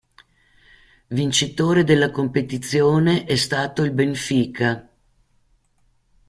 Vincitore della competizione è stato il Benfica.